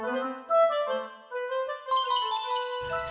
apa yang kamu mau